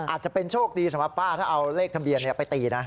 อาจจะเป็นโชคดีสำหรับป้าถ้าเอาเลขทะเบียนไปตีนะ